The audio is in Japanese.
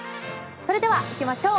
それでは行きましょう。